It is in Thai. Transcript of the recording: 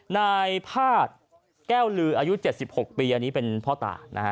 นายพาดแก้วลืออายุ๗๖ปีอันนี้เป็นพ่อตานะฮะ